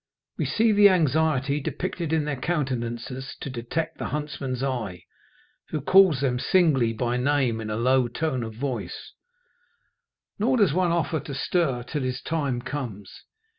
We see the anxiety depicted in their countenances to detect the huntsman's eye, who calls them singly by name in a low tone of voice, nor does one offer to stir till his time comes.